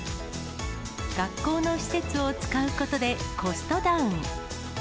学校の施設を使うことでコストダウン。